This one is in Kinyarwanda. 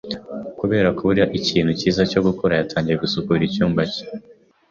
Kubera kubura ikintu cyiza cyo gukora, yatangiye gusukura icyumba cye.